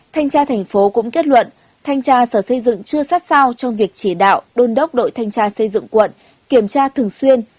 thanh tra thành phố cũng kết luận thanh tra sở xây dựng chưa sát sao trong việc chỉ đạo đôn đốc đội thanh tra xây dựng quận kiểm tra thường xuyên